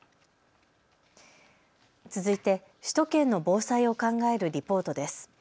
続いて首都圏の防災を考えるリポートです。